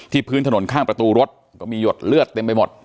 พื้นถนนข้างประตูรถก็มีหยดเลือดเต็มไปหมด